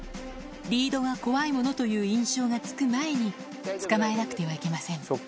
リードが怖いものという印象がつく前に、捕まえなくてはいけません。